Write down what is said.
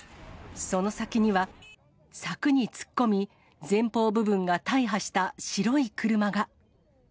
その先には柵に突っ込み、前方部分が大破した白い車が。